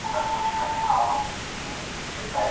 د غوښې کمول روغتیا ته هم ګټه لري.